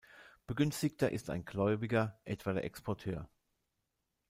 Begünstigter ist ein Gläubiger, etwa der Exporteur.